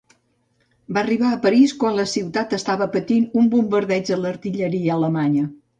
Va arribar a París quan la ciutat estava patint un bombardeig de l'artilleria alemanya.